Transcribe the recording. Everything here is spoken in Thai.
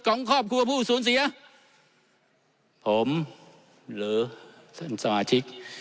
ของครอบครัวผู้สูญเสียผมหรือท่านสมาชิก